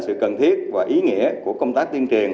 sự cần thiết và ý nghĩa của công tác tiên triền